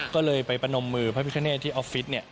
ก็เลยไปประนมมือพระพิคเนตที่ออฟฟิศ